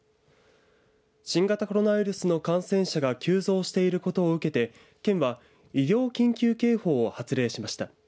新型コロナウイルスの感染者が急増していることを受けて県は、医療緊急警報を発令しました。